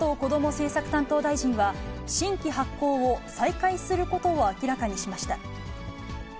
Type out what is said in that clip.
政策担当大臣は新規発行を再開することを明らかにしました。